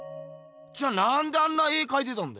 じゃあなんであんな絵かいたんだ？